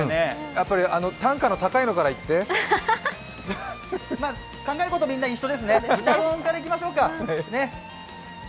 やっぱり単価の高いのからいってる考えることはみんな一緒ですね、豚丼からいきましょうか。